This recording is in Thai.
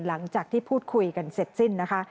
หลังจากที่พูดคุยกันเสร็จสิ้นนะคะ